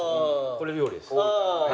これ料理です。